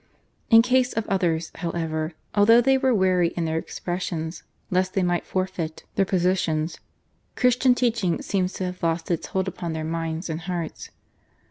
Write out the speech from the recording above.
In case of others, however, although they were wary in their expressions lest they might forfeit their positions, Christian teaching seems to have lost its hold upon their minds and hearts.